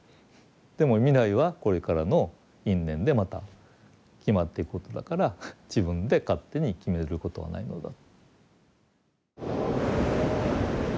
でも未来はこれからの因縁でまた決まっていくことだから自分で勝手に決めることはないのだ。